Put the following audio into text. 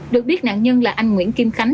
được biết nạn nhân là anh nguyễn kim khánh